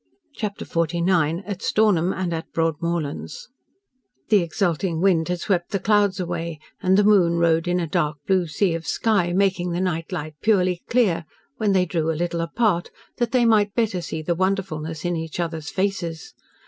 CHAPTER XLIX AT STORNHAM AND AT BROADMORLANDS The exulting wind had swept the clouds away, and the moon rode in a dark blue sea of sky, making the night light purely clear, when they drew a little apart, that they might better see the wonderfulness in each other's faces.